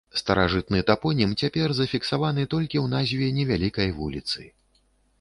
Старажытны тапонім цяпер зафіксаваны толькі ў назве невялікай вуліцы.